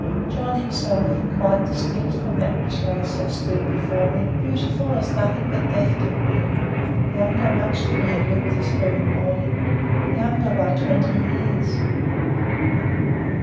John himself, quite distinct from that which lay so still before me; beautiful as nothing but death can be, younger much than he had looked this very morning younger by twenty years.